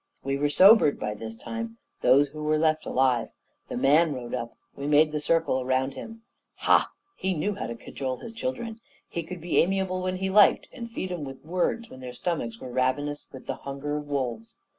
We were sobered by this time those who were left alive. The MAN rode up; we made the circle round him. Ha! he knew how to cajole his children; he could be amiable when he liked, and feed 'em with words when their stomachs were ravenous with the hunger of wolves.